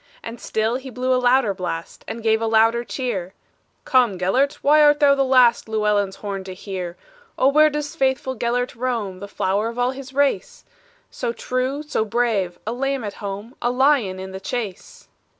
And still he blew a louder blast, And gave a louder cheer; "Come, Gelert! why art thou the last Llewellyn's horn to hear? "Oh, where does faithful Gelert roam, The flower of all his race? So true, so brave a lamb at home, A lion in the chase."